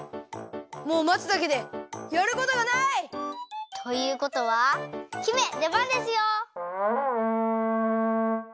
もうまつだけでやることがない！ということは姫でばんですよ！